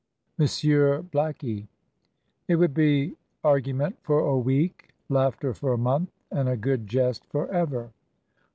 "MONSIEUR BLACKIE." "It would be argument for a week, laughter for a month, and a good jest forever."